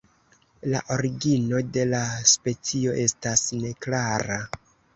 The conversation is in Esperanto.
La origino de la specio estas neklara.